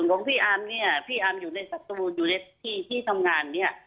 ส่วนของพี่อาร์มเนี่ยพี่อาร์มอยู่ในศัตรูอยู่ในที่ทำงานเนี่ย